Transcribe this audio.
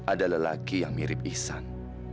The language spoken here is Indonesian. ada lelaki yang mirip ihsan